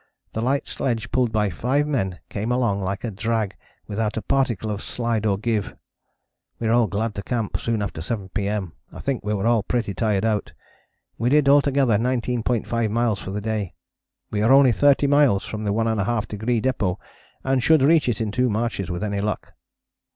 The light sledge pulled by five men came along like a drag without a particle of slide or give. We were all glad to camp soon after 7 P.M. I think we were all pretty tired out. We did altogether 19.5 miles for the day. We are only thirty miles from the 1½ Degree Depôt, and should reach it in two marches with any luck."